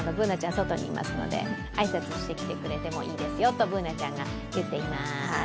お外にいますので挨拶しに来てくれてもいいですよとＢｏｏｎａちゃんが言っています。